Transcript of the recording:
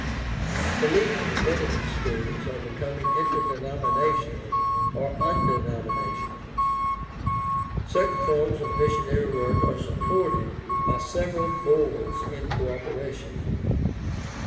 The leading divinity schools are becoming interdenominational or undenomina tional. Certain forms of missionary work are supported by several boards in co operation.